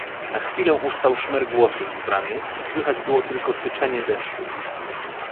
"Na chwilę ustał szmer głosów w bramie i słychać było tylko syczenie deszczu."